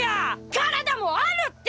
体もあるって！